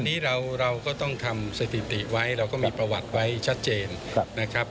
อันนี้เราก็ต้องทำสถิติไว้เราก็มีประวัติไว้ชัดเจนนะครับ